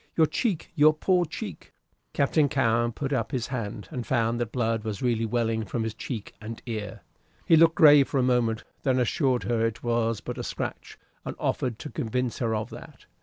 Your cheek your poor cheek!" Captain Cowen put up his hand, and found that blood was really welling from his cheek and ear. He looked grave for a moment, then assured her it was but a scratch, and offered to convince her of that.